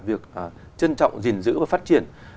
việc trân trọng gìn giữ và phát triển